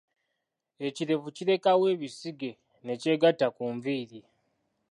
Ekirevu kirekawo ebisige ne kyegatta ku nviiri.